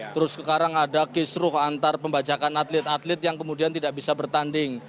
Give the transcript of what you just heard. terus sekarang ada kisruh antar pembajakan atlet atlet yang kemudian tidak bisa bertanding